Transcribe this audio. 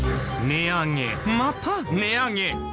値上げまた値上げ。